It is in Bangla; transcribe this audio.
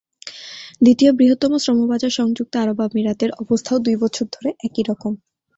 দ্বিতীয় বৃহত্তম শ্রমবাজার সংযুক্ত আরব আমিরাতের অবস্থাও দুই বছর ধরে একই রকম।